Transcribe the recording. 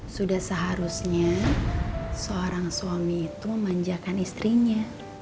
sudah seharusnya seorang suami itu memanjakan istrinya